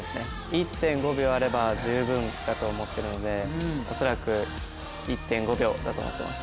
１．５秒あれば十分だと思っているので恐らく１．５秒だと思っています。